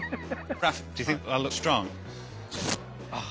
ああ。